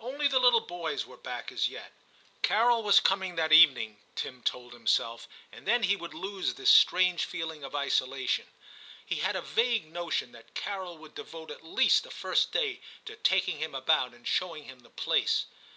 Only the little boys were back as yet. Carol was coming that evening, Tim told him self, and then he would lose this strange V TIM Sy feeling of isolation ; he had a vague notion that Carol would devote at least the first day to taking him about and showing him the place.